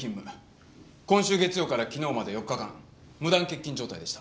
今週月曜から昨日まで４日間無断欠勤状態でした。